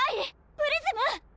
プリズム！